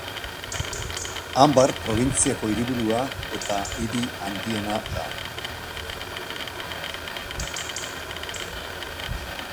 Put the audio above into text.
Anbar probintziako hiriburua eta hiri handiena da.